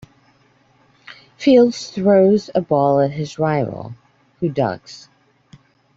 Fields throws a ball at his rival, who ducks.